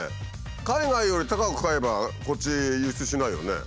海外より高く買えばこっち輸出しないよね。